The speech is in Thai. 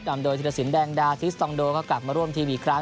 นำโดยธิรสินแดงดาทิสตองโดก็กลับมาร่วมทีมอีกครั้ง